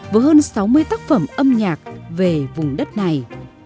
với hơn sáu mươi tác phẩm âm nhạc về vùng đất này